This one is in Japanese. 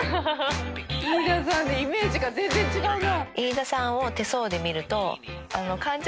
飯田さんのイメージが全然違うな。